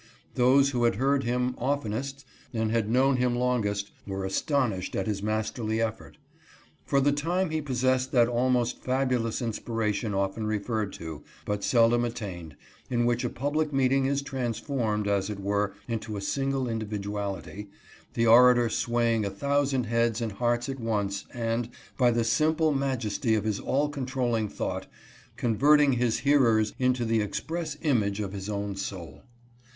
Those who had heard him oftenest and had known him longest, were astonished at his masterly effort. For the time he possessed that almost fabulous inspiration often referred to, but seldom attained, in which a public meeting is transformed, as it were, into a single individuality, the orator swaying a thousand heads and hearts at once and, by the simple majesty of his all controlling thought, con verting his hearers into the express image of his own soul.